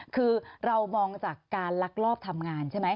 คือเรามองจากการลักลอบทำงานใช่ไหม